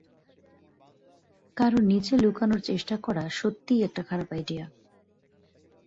কারও নিচে লুকানোর চেষ্টা করা সত্যিই একটা খারাপ আইডিয়া।